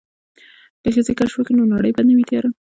که ښځې کشف وکړي نو نړۍ به نه وي تیاره.